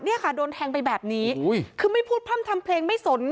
เนี่ยค่ะโดนแทงไปแบบนี้คือไม่พูดพร่ำทำเพลงไม่สน